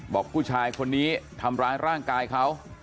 บอกผู้ชายคนนี้ทำร้ายร่างกายเขา